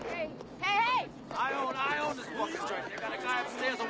はい。